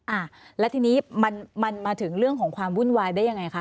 อ่าแล้วทีนี้มันมันมาถึงเรื่องของความวุ่นวายได้ยังไงคะ